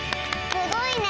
すごいね！